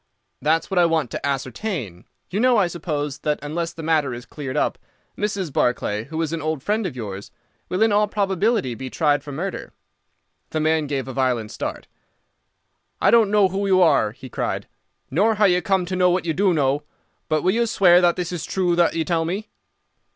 "That's what I want to ascertain. You know, I suppose, that unless the matter is cleared up, Mrs. Barclay, who is an old friend of yours, will in all probability be tried for murder." The man gave a violent start. "I don't know who you are," he cried, "nor how you come to know what you do know, but will you swear that this is true that you tell me?"